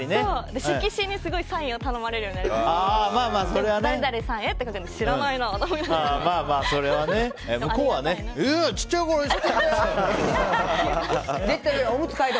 色紙にすごいサインを頼まれるようになりました。